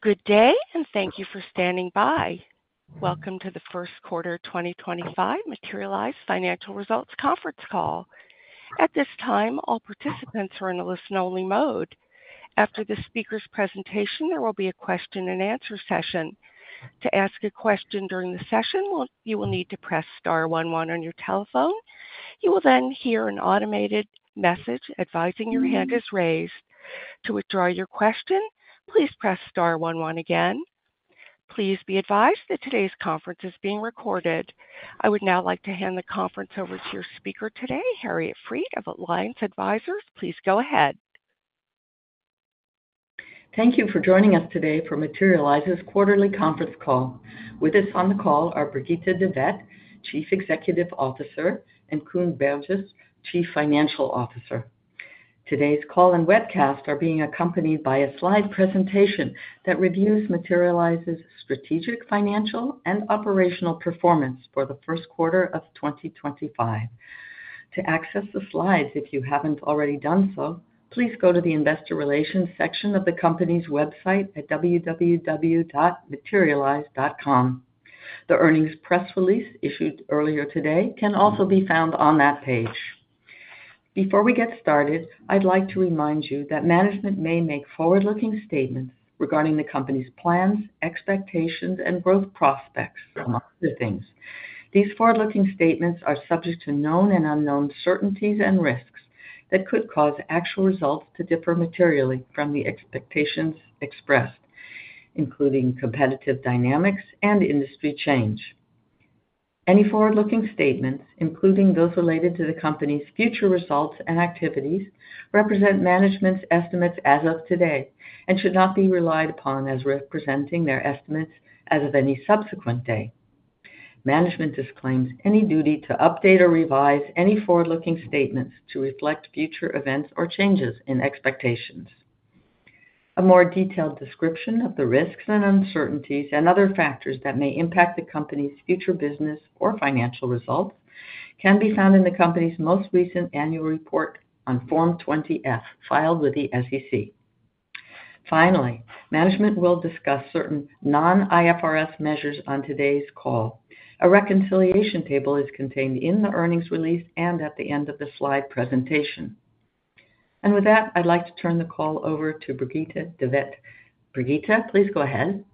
Good day, and thank you for standing by. Welcome to the Q1 2025 Materialise Financial Results Conference Call. At this time, all participants are in a listen-only mode. After the speaker's presentation, there will be a question-and-answer session. To ask a question during the session, you will need to press star 11 on your telephone. You will then hear an automated message advising your hand is raised. To withdraw your question, please press star 11 again. Please be advised that today's conference is being recorded. I would now like to hand the conference over to your speaker today, Harriet Fried of Alliance Advisors. Please go ahead. Thank you for joining us today for Materialise's Quarterly Conference Call. With us on the call are Brigitte de Vet-Veithen, Chief Executive Officer, and Koen Berges, Chief Financial Officer. Today's call and webcast are being accompanied by a slide presentation that reviews Materialise's strategic, financial, and operational performance for the first quarter of 2025. To access the slides, if you haven't already done so, please go to the investor relations section of the company's website at www.materialise.com. The earnings press release issued earlier today can also be found on that page. Before we get started, I'd like to remind you that management may make forward-looking statements regarding the company's plans, expectations, and growth prospects, among other things. These forward-looking statements are subject to known and unknown certainties and risks that could cause actual results to differ materially from the expectations expressed, including competitive dynamics and industry change. Any forward-looking statements, including those related to the company's future results and activities, represent management's estimates as of today and should not be relied upon as representing their estimates as of any subsequent day. Management disclaims any duty to update or revise any forward-looking statements to reflect future events or changes in expectations. A more detailed description of the risks and uncertainties and other factors that may impact the company's future business or financial results can be found in the company's most recent annual report on Form 20-F filed with the SEC. Finally, management will discuss certain non-IFRS measures on today's call. A reconciliation table is contained in the earnings release and at the end of the slide presentation. With that, I'd like to turn the call over to Brigitte de Vet-Veithen. Brigitte, please go ahead.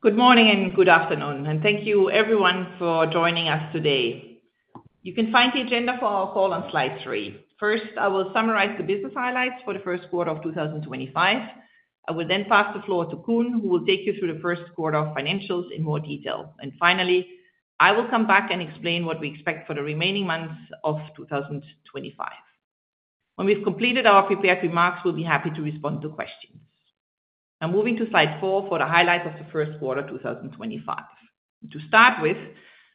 Good morning and good afternoon, and thank you everyone for joining us today. You can find the agenda for our call on slide three. First, I will summarize the business highlights for the first quarter of 2025. I will then pass the floor to Koen, who will take you through the first quarter financials in more detail. Finally, I will come back and explain what we expect for the remaining months of 2025. When we've completed our prepared remarks, we'll be happy to respond to questions. Now, moving to slide four for the highlights of the first quarter 2025. To start with,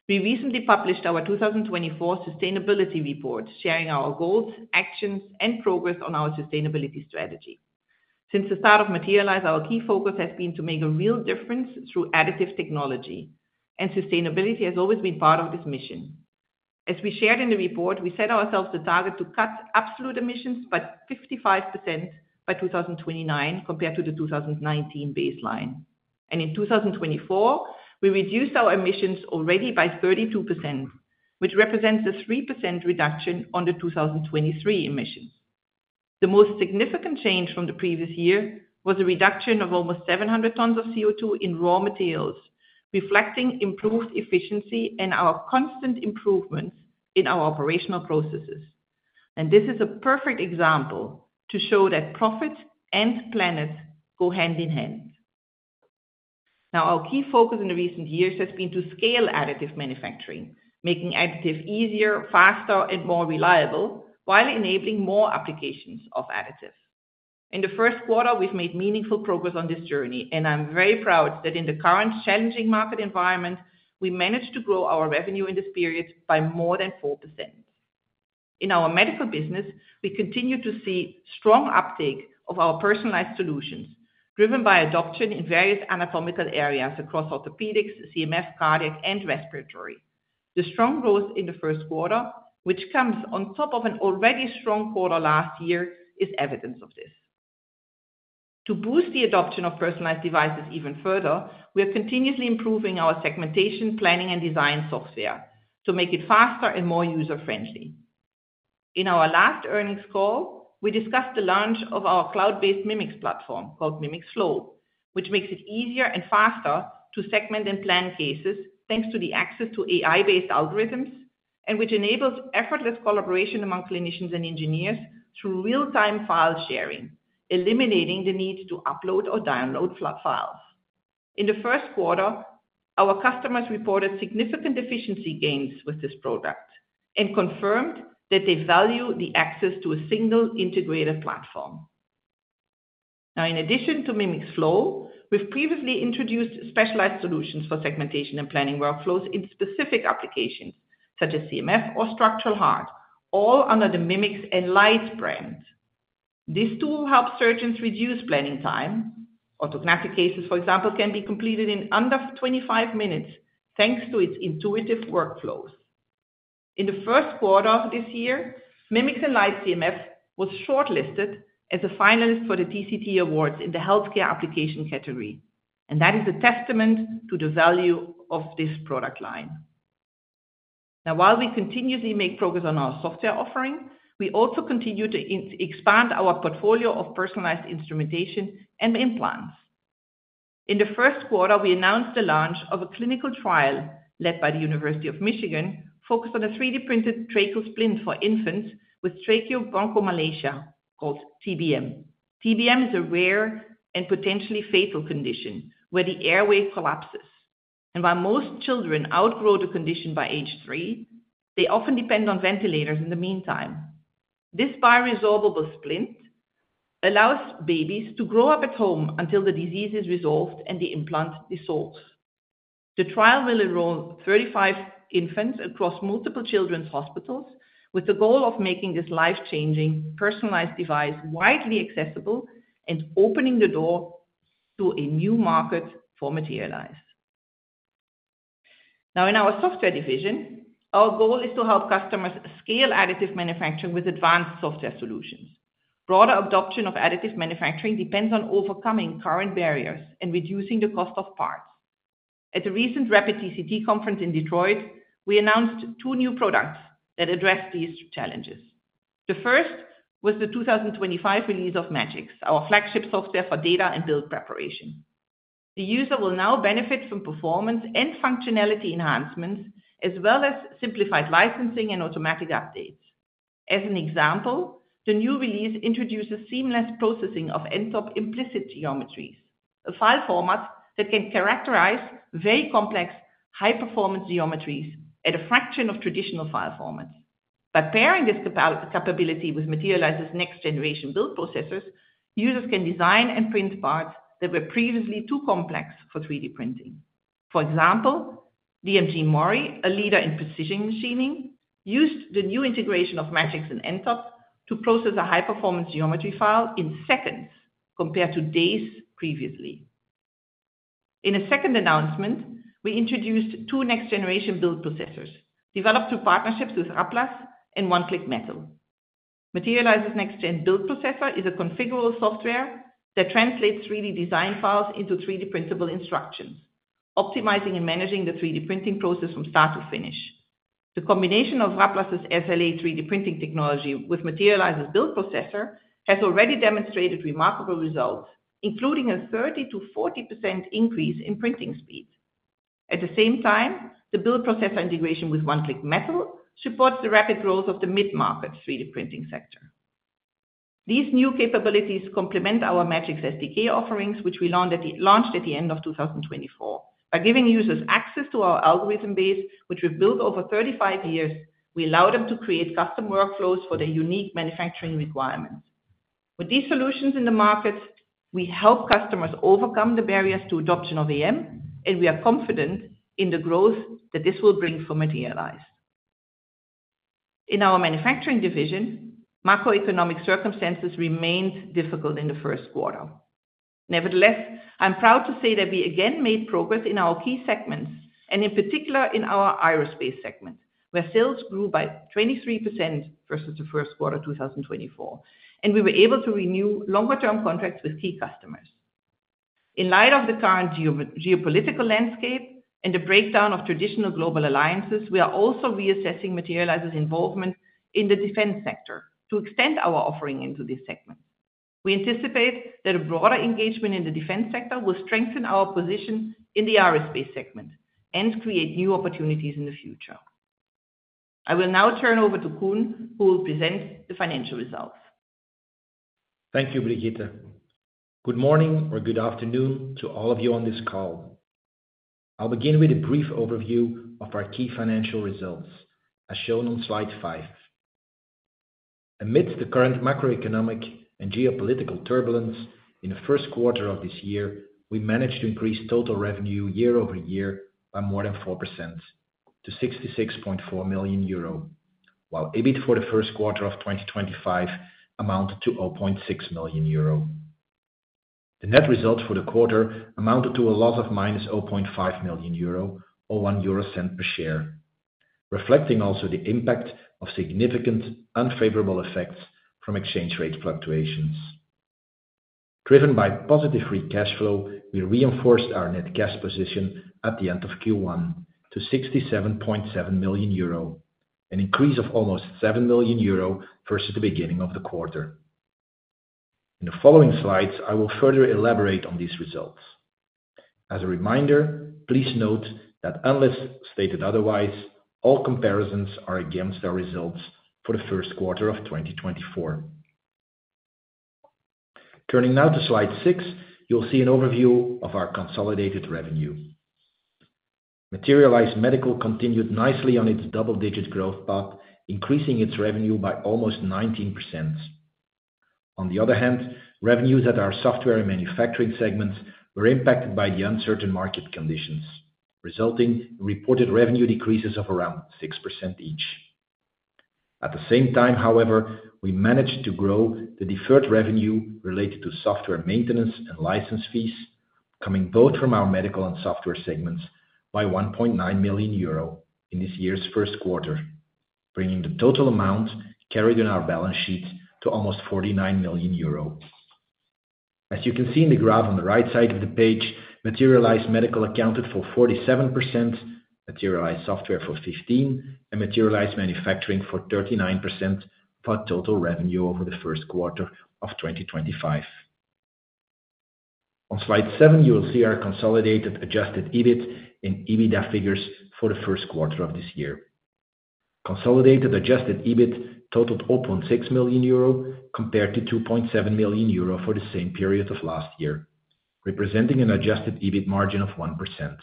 we recently published our 2024 sustainability report, sharing our goals, actions, and progress on our sustainability strategy. Since the start of Materialise, our key focus has been to make a real difference through additive technology, and sustainability has always been part of this mission. As we shared in the report, we set ourselves the target to cut absolute emissions by 55% by 2029 compared to the 2019 baseline. In 2024, we reduced our emissions already by 32%, which represents a 3% reduction on the 2023 emissions. The most significant change from the previous year was a reduction of almost 700 tons of CO2 in raw materials, reflecting improved efficiency and our constant improvements in our operational processes. This is a perfect example to show that profit and planet go hand in hand. Now, our key focus in the recent years has been to scale additive manufacturing, making additive easier, faster, and more reliable while enabling more applications of additives. In the first quarter, we've made meaningful progress on this journey, and I'm very proud that in the current challenging market environment, we managed to grow our revenue in this period by more than 4%. In our medical business, we continue to see strong uptake of our personalized solutions, driven by adoption in various anatomical areas across orthopedics, CMF, cardiac, and respiratory. The strong growth in the first quarter, which comes on top of an already strong quarter last year, is evidence of this. To boost the adoption of personalized devices even further, we are continuously improving our segmentation, planning, and design software to make it faster and more user-friendly. In our last earnings call, we discussed the launch of our cloud-based Mimics platform called Mimics Flow, which makes it easier and faster to segment and plan cases thanks to the access to AI-based algorithms, and which enables effortless collaboration among clinicians and engineers through real-time file sharing, eliminating the need to upload or download files. In the first quarter, our customers reported significant efficiency gains with this product and confirmed that they value the access to a single integrated platform. Now, in addition to Mimics Flow, we've previously introduced specialized solutions for segmentation and planning workflows in specific applications such as CMF or Structural Heart, all under the Mimics and Mimics Enlight brands. This tool helps surgeons reduce planning time. Orthognathic cases, for example, can be completed in under 25 minutes thanks to its intuitive workflows. In the first quarter of this year, Mimics and Mimics Enlight CMF was shortlisted as a finalist for the TCT Awards in the healthcare application category, and that is a testament to the value of this product line. Now, while we continuously make progress on our software offering, we also continue to expand our portfolio of personalized instrumentation and implants. In the first quarter, we announced the launch of a clinical trial led by the University of Michigan focused on a 3D-printed tracheal splint for infants with tracheobronchomalacia called TBM. TBM is a rare and potentially fatal condition where the airway collapses. While most children outgrow the condition by age three, they often depend on ventilators in the meantime. This bioresorbable splint allows babies to grow up at home until the disease is resolved and the implant dissolves. The trial will enroll 35 infants across multiple children's hospitals with the goal of making this life-changing personalized device widely accessible and opening the door to a new market for Materialise. Now, in our software division, our goal is to help customers scale additive manufacturing with advanced software solutions. Broader adoption of additive manufacturing depends on overcoming current barriers and reducing the cost of parts. At the recent Rapid TCT conference in Detroit, we announced two new products that address these challenges. The first was the 2025 release of Magics, our flagship software for data and build preparation. The user will now benefit from performance and functionality enhancements, as well as simplified licensing and automatic updates. As an example, the new release introduces seamless processing of nTop implicit geometries, a file format that can characterize very complex, high-performance geometries at a fraction of traditional file formats. By pairing this capability with Materialise's next-generation build processors, users can design and print parts that were previously too complex for 3D printing. For example, DMG Mori, a leader in precision machining, used the new integration of Magics and nTop to process a high-performance geometry file in seconds compared to days previously. In a second announcement, we introduced two next-generation build processors developed through partnerships with Raplas and One Click Metal. Materialise's next-gen build processor is a configurable software that translates 3D design files into 3D printable instructions, optimizing and managing the 3D printing process from start to finish. The combination of Raplas' SLA 3D printing technology with Materialise's build processor has already demonstrated remarkable results, including a 30%-40% increase in printing speed. At the same time, the build processor integration with One Click Metal supports the rapid growth of the mid-market 3D printing sector. These new capabilities complement our Magics SDK offerings, which we launched at the end of 2024. By giving users access to our algorithm base, which we've built over 35 years, we allow them to create custom workflows for their unique manufacturing requirements. With these solutions in the market, we help customers overcome the barriers to adoption of AM, and we are confident in the growth that this will bring for Materialise. In our manufacturing division, macroeconomic circumstances remained difficult in the first quarter. Nevertheless, I'm proud to say that we again made progress in our key segments, and in particular in our aerospace segment, where sales grew by 23% versus the first quarter 2024, and we were able to renew longer-term contracts with key customers. In light of the current geopolitical landscape and the breakdown of traditional global alliances, we are also reassessing Materialise's involvement in the defense sector to extend our offering into these segments. We anticipate that a broader engagement in the defense sector will strengthen our position in the aerospace segment and create new opportunities in the future. I will now turn over to Koen, who will present the financial results. Thank you, Brigitte. Good morning or good afternoon to all of you on this call. I'll begin with a brief overview of our key financial results, as shown on slide five. Amidst the current macroeconomic and geopolitical turbulence in the first quarter of this year, we managed to increase total revenue year over year by more than 4% to 66.4 million euro, while EBIT for the first quarter of 2025 amounted to 0.6 million euro. The net result for the quarter amounted to a loss of 0.5 million euro or 1 euro per share, reflecting also the impact of significant unfavorable effects from exchange rate fluctuations. Driven by positive free cash flow, we reinforced our net cash position at the end of Q1 to 67.7 million euro, an increase of almost 7 million euro versus the beginning of the quarter. In the following slides, I will further elaborate on these results. As a reminder, please note that unless stated otherwise, all comparisons are against our results for the first quarter of 2024. Turning now to slide six, you'll see an overview of our consolidated revenue. Materialise Medical continued nicely on its double-digit growth path, increasing its revenue by almost 19%. On the other hand, revenues at our software and manufacturing segments were impacted by the uncertain market conditions, resulting in reported revenue decreases of around 6% each. At the same time, however, we managed to grow the deferred revenue related to software maintenance and license fees, coming both from our medical and software segments, by 1.9 million euro in this year's first quarter, bringing the total amount carried in our balance sheet to almost 49 million euro. As you can see in the graph on the right side of the page, Materialise Medical accounted for 47%, Materialise Software for 15%, and Materialise Manufacturing for 39% of our total revenue over the first quarter of 2025. On slide seven, you will see our consolidated adjusted EBIT and EBITDA figures for the first quarter of this year. Consolidated adjusted EBIT totaled 0.6 million euro compared to 2.7 million euro for the same period of last year, representing an adjusted EBIT margin of 1%.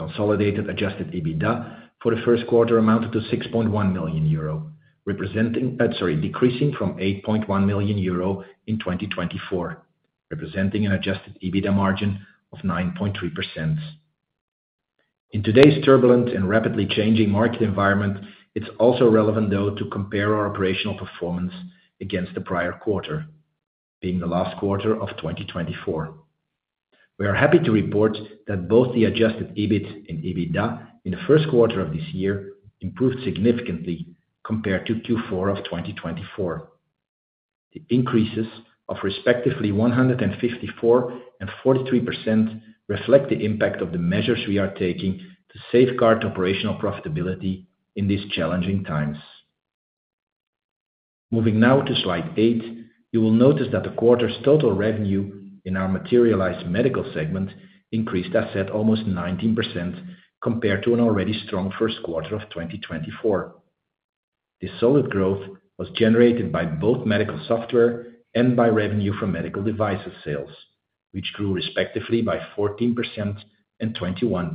Consolidated adjusted EBITDA for the first quarter amounted to 6.1 million euro, decreasing from 8.1 million euro in 2024, representing an adjusted EBITDA margin of 9.3%. In today's turbulent and rapidly changing market environment, it's also relevant, though, to compare our operational performance against the prior quarter, being the last quarter of 2024. We are happy to report that both the adjusted EBIT and EBITDA in the first quarter of this year improved significantly compared to Q4 of 2024. The increases of respectively 154% and 43% reflect the impact of the measures we are taking to safeguard operational profitability in these challenging times. Moving now to slide eight, you will notice that the quarter's total revenue in our Materialise Medical segment increased, as said, almost 19% compared to an already strong first quarter of 2024. This solid growth was generated by both medical software and by revenue from medical devices sales, which grew respectively by 14% and 21%.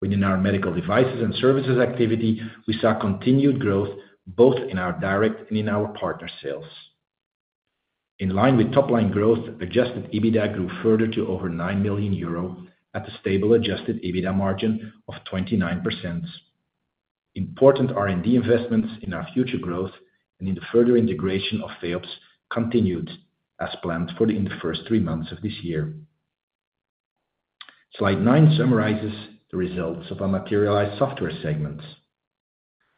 Within our medical devices and services activity, we saw continued growth both in our direct and in our partner sales. In line with top-line growth, adjusted EBITDA grew further to over 9 million euro at a stable adjusted EBITDA margin of 29%. Important R&D investments in our future growth and in the further integration of FEops continued as planned for the first three months of this year. Slide nine summarizes the results of our Materialise Software segments.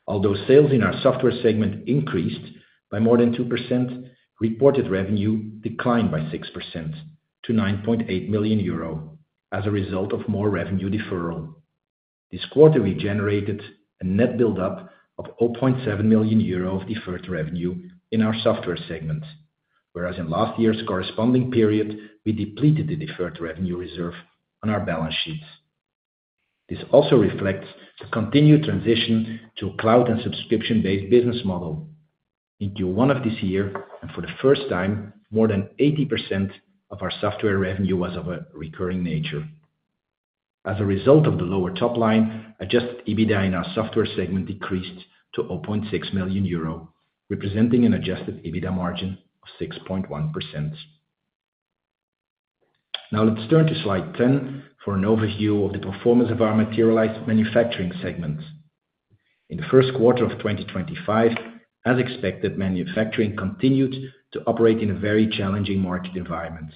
Although sales in our software segment increased by more than 2%, reported revenue declined by 6% to 9.8 million euro as a result of more revenue deferral. This quarter, we generated a net build-up of 0.7 million euro of deferred revenue in our software segment, whereas in last year's corresponding period, we depleted the deferred revenue reserve on our balance sheets. This also reflects the continued transition to a cloud and subscription-based business model. In Q1 of this year, and for the first time, more than 80% of our software revenue was of a recurring nature. As a result of the lower top line, adjusted EBITDA in our software segment decreased to 0.6 million euro, representing an adjusted EBITDA margin of 6.1%. Now, let's turn to slide 10 for an overview of the performance of our Materialise Manufacturing segment. In the first quarter of 2025, as expected, manufacturing continued to operate in a very challenging market environment,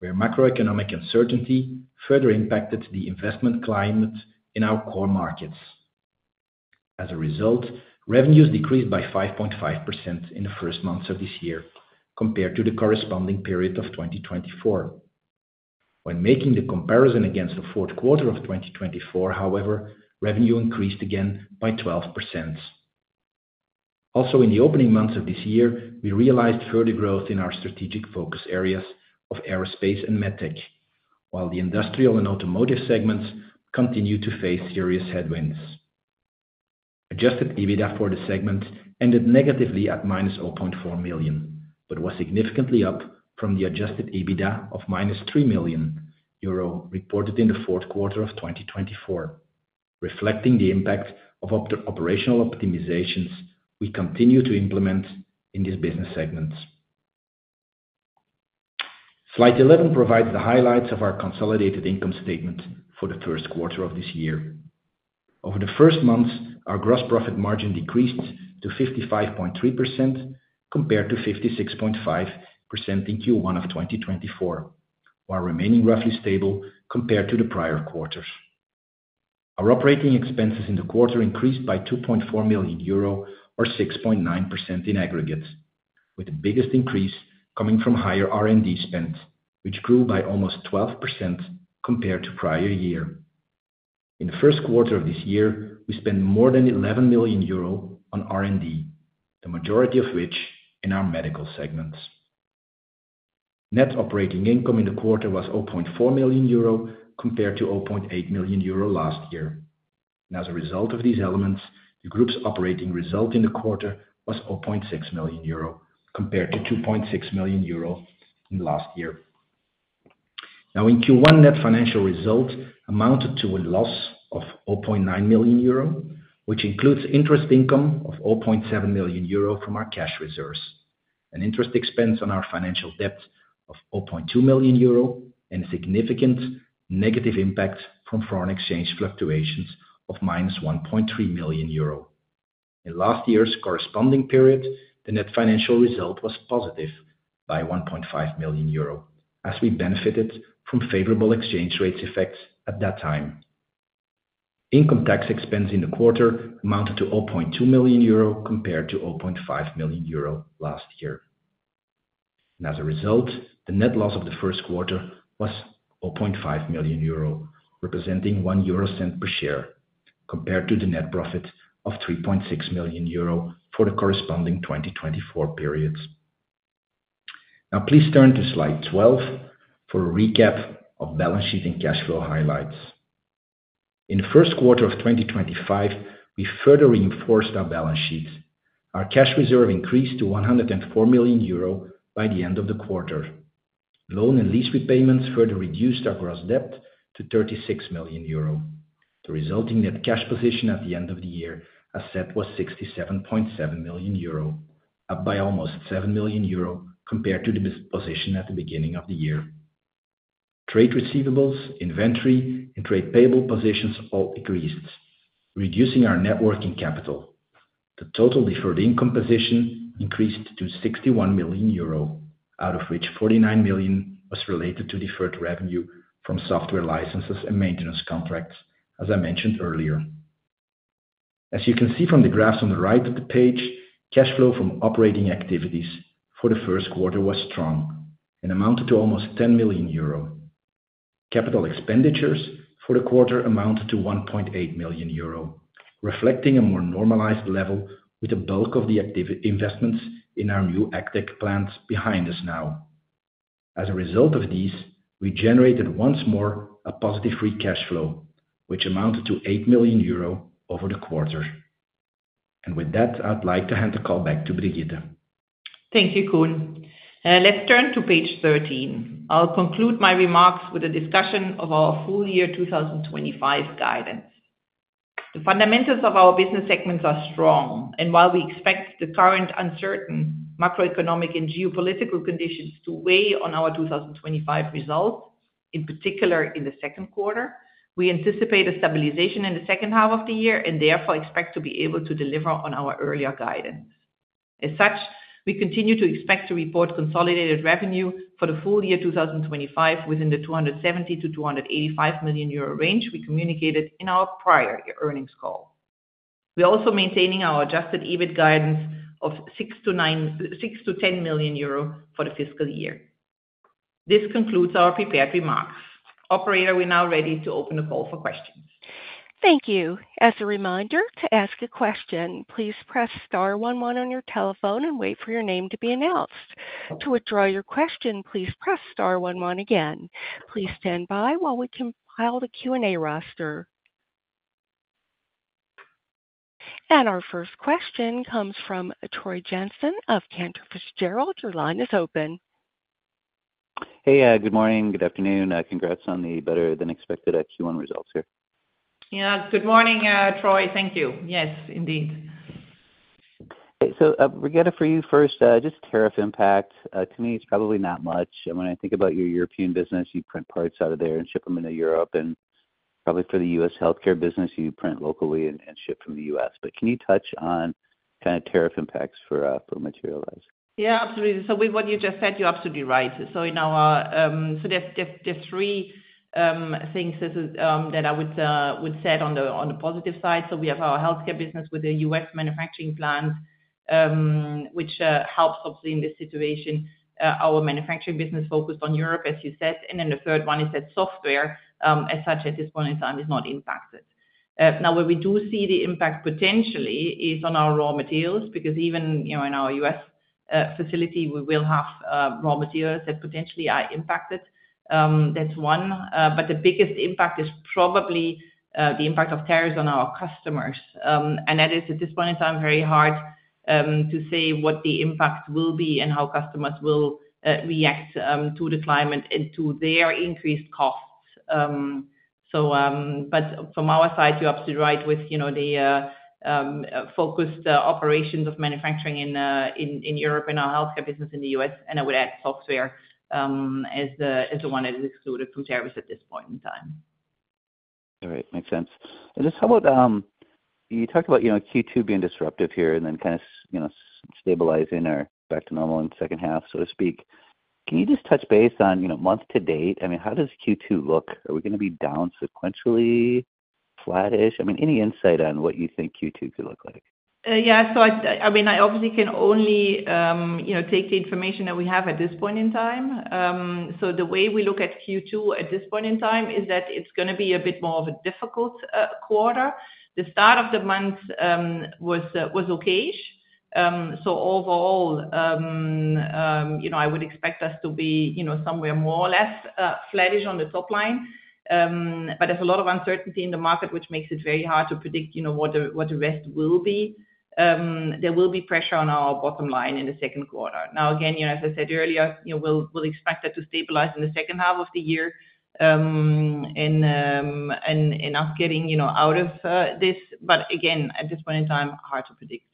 where macroeconomic uncertainty further impacted the investment climate in our core markets. As a result, revenues decreased by 5.5% in the first months of this year compared to the corresponding period of 2024. When making the comparison against the fourth quarter of 2024, however, revenue increased again by 12%. Also, in the opening months of this year, we realized further growth in our strategic focus areas of aerospace and medtech, while the industrial and automotive segments continued to face serious headwinds. Adjusted EBITDA for the segment ended negatively at 0.4 million, but was significantly up from the adjusted EBITDA of 3 million euro reported in the fourth quarter of 2024, reflecting the impact of operational optimizations we continue to implement in these business segments. Slide 11 provides the highlights of our consolidated income statement for the first quarter of this year. Over the first months, our gross profit margin decreased to 55.3% compared to 56.5% in Q1 of 2024, while remaining roughly stable compared to the prior quarters. Our operating expenses in the quarter increased by 2.4 million euro, or 6.9% in aggregate, with the biggest increase coming from higher R&D spend, which grew by almost 12% compared to prior year. In the first quarter of this year, we spent more than 11 million euro on R&D, the majority of which in our medical segments. Net operating income in the quarter was 0.4 million euro compared to 0.8 million euro last year. As a result of these elements, the group's operating result in the quarter was 0.6 million euro compared to 2.6 million euro in last year. In Q1, net financial results amounted to a loss of 0.9 million euro, which includes interest income of 0.7 million euro from our cash reserves, an interest expense on our financial debt of 0.2 million euro, and a significant negative impact from foreign exchange fluctuations of 1.3 million euro. In last year's corresponding period, the net financial result was positive by 1.5 million euro, as we benefited from favorable exchange rate effects at that time. Income tax expense in the quarter amounted to 0.2 million euro compared to 0.5 million euro last year. As a result, the net loss of the first quarter was 0.5 million euro, representing 1 euro per share, compared to the net profit of 3.6 million euro for the corresponding 2024 periods. Now, please turn to slide 12 for a recap of balance sheet and cash flow highlights. In the first quarter of 2025, we further reinforced our balance sheet. Our cash reserve increased to 104 million euro by the end of the quarter. Loan and lease repayments further reduced our gross debt to 36 million euro. The resulting net cash position at the end of the year, as said, was 67.7 million euro, up by almost 7 million euro compared to the position at the beginning of the year. Trade receivables, inventory, and trade payable positions all increased, reducing our net working capital. The total deferred income position increased to 61 million euro, out of which 49 million was related to deferred revenue from software licenses and maintenance contracts, as I mentioned earlier. As you can see from the graphs on the right of the page, cash flow from operating activities for the first quarter was strong and amounted to almost 10 million euro. Capital expenditures for the quarter amounted to 1.8 million euro, reflecting a more normalized level with the bulk of the investments in our new ACTech plants behind us now. As a result of these, we generated once more a positive free cash flow, which amounted to 8 million euro over the quarter. With that, I'd like to hand the call back to Brigitte. Thank you, Koen. Let's turn to page 13. I'll conclude my remarks with a discussion of our full year 2025 guidance. The fundamentals of our business segments are strong, and while we expect the current uncertain macroeconomic and geopolitical conditions to weigh on our 2025 results, in particular in the second quarter, we anticipate a stabilization in the second half of the year and therefore expect to be able to deliver on our earlier guidance. As such, we continue to expect to report consolidated revenue for the full year 2025 within the 270 million-285 million euro range, we communicated in our prior year earnings call. We are also maintaining our adjusted EBIT guidance of 6 million-10 million euro for the fiscal year. This concludes our prepared remarks. Operator, we're now ready to open the call for questions. Thank you. As a reminder, to ask a question, please press star 11 on your telephone and wait for your name to be announced. To withdraw your question, please press star 11 again. Please stand by while we compile the Q&A roster. Our first question comes from Troy Jensen of Cantor Fitzgerald. Your line is open. Hey, good morning, good afternoon. Congrats on the better-than-expected Q1 results here. Yeah, good morning, Troy. Thank you. Yes, indeed. Brigitte, for you first, just tariff impact. To me, it's probably not much. When I think about your European business, you print parts out of there and ship them into Europe. Probably for the U.S. healthcare business, you print locally and ship from the U.S. Can you touch on kind of tariff impacts for Materialise? Yeah, absolutely. With what you just said, you're absolutely right. In our—there are three things that I would say on the positive side. We have our healthcare business with the U.S. manufacturing plants, which helps, obviously, in this situation. Our manufacturing business is focused on Europe, as you said. The third one is that software, as such, at this point in time, is not impacted. Where we do see the impact potentially is on our raw materials, because even in our U.S. facility, we will have raw materials that potentially are impacted. That is one. The biggest impact is probably the impact of tariffs on our customers. That is, at this point in time, very hard to say what the impact will be and how customers will react to the climate and to their increased costs. From our side, you're absolutely right with the focused operations of manufacturing in Europe and our healthcare business in the U.S. I would add software as the one that is excluded from tariffs at this point in time. All right, makes sense. How about—you talked about Q2 being disruptive here and then kind of stabilizing or back to normal in the second half, so to speak. Can you just touch base on month to date? I mean, how does Q2 look? Are we going to be down sequentially, flattish? I mean, any insight on what you think Q2 could look like? Yeah, I mean, I obviously can only take the information that we have at this point in time. The way we look at Q2 at this point in time is that it's going to be a bit more of a difficult quarter. The start of the month was okay. Overall, I would expect us to be somewhere more or less flattish on the top line. There's a lot of uncertainty in the market, which makes it very hard to predict what the rest will be. There will be pressure on our bottom line in the second quarter. Again, as I said earlier, we'll expect that to stabilize in the second half of the year and us getting out of this. Again, at this point in time, hard to predict.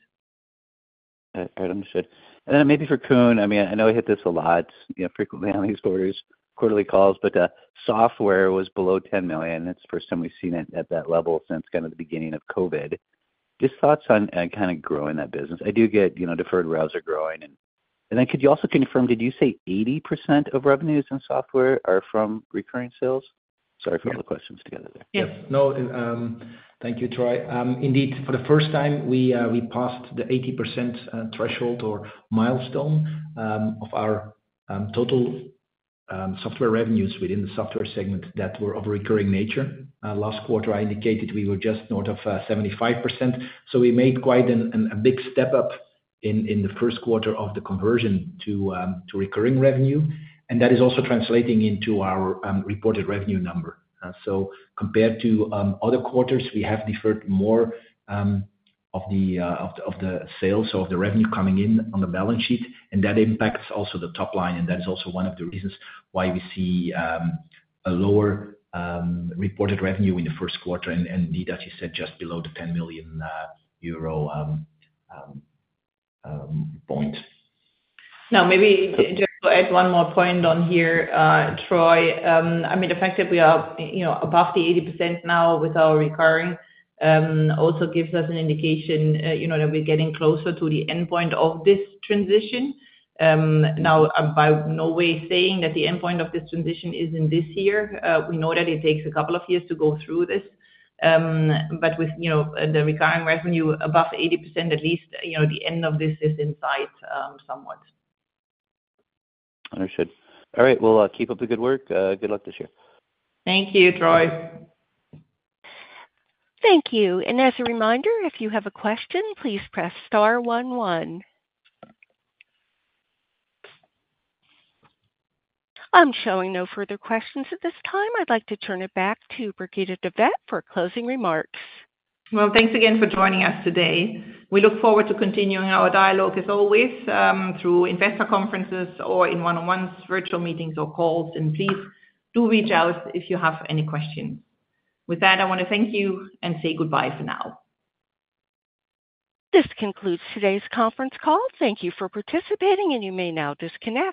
All right, understood. Maybe for Koen, I mean, I know I hit this a lot frequently on these quarterly calls, but software was below 10 million. It is the first time we have seen it at that level since kind of the beginning of COVID. Just thoughts on kind of growing that business? I do get deferred reserve growing. Could you also confirm, did you say 80% of revenues in software are from recurring sales? Sorry for all the questions together there. Yes. No, thank you, Troy. Indeed, for the first time, we passed the 80% threshold or milestone of our total software revenues within the software segment that were of a recurring nature. Last quarter, I indicated we were just north of 75%. We made quite a big step up in the first quarter of the conversion to recurring revenue. That is also translating into our reported revenue number. Compared to other quarters, we have deferred more of the sales of the revenue coming in on the balance sheet. That impacts also the top line. That is also one of the reasons why we see a lower reported revenue in the first quarter. Indeed, as you said, just below the 10 million euro point. Now, maybe just to add one more point on here, Troy. I mean, the fact that we are above the 80% now with our recurring also gives us an indication that we're getting closer to the endpoint of this transition. Now, by no way saying that the endpoint of this transition is in this year. We know that it takes a couple of years to go through this. But with the recurring revenue above 80%, at least the end of this is in sight somewhat. Understood. All right, keep up the good work. Good luck this year. Thank you, Troy. Thank you. As a reminder, if you have a question, please press star 11. I'm showing no further questions at this time. I'd like to turn it back to Brigitte de Vet-Veithen for closing remarks. Thanks again for joining us today. We look forward to continuing our dialogue, as always, through investor conferences or in one-on-one virtual meetings or calls. Please do reach out if you have any questions. With that, I want to thank you and say goodbye for now. This concludes today's conference call. Thank you for participating, and you may now disconnect.